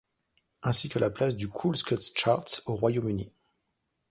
Ainsi que la place du Cool Cuts Charts aux Royaume Unis.